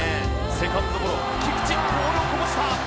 セカンドゴロ菊池ボールをこぼした。